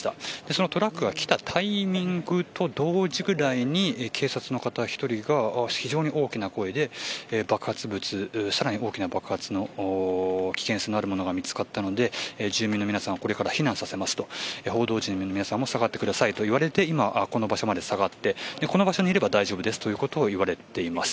そのトラックが来たタイミングと同時ぐらいに警察の方１人が非常に大きな声で爆発物、車内にさらに大きな爆発の危険性があるものが見つかったので住民の皆さんをこれから避難させますと報道陣の皆さまも下がってくださいと言われて今この場所まで下がってこの場所にいれば大丈夫だということを言われて、います。